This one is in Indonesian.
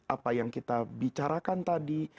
apa yang kita bicarakan tadi